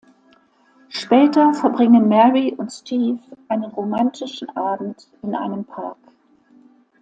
Später verbringen Mary und Steve einen romantischen Abend in einem Park.